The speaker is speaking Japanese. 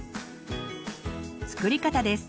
作り方です。